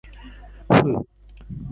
ふう。